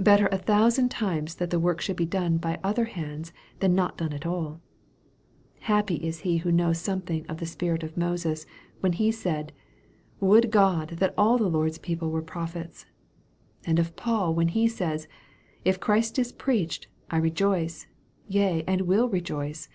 Better a thousand times that the work should be done by other hands than not done at all. Happy is he who knows something of the spirit of Moses, when he said, " Would God that all the Lord's people were prophets ;" and of Paul, when he says, " If Christ is preached, I rejoice, yea, and will rejoice."